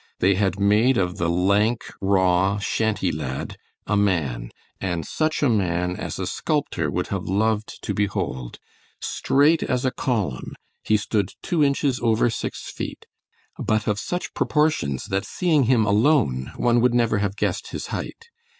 They had made of the lank, raw, shanty lad a man, and such a man as a sculptor would have loved to behold. Straight as a column he stood two inches over six feet, but of such proportions that seeing him alone, one would never have guessed his height.